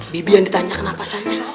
bibi yang ditanya kenapa saya